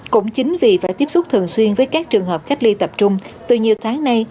cũng chính vì phải tiếp xúc thường xuyên với các trường hợp cách ly tập trung từ nhiều tháng nay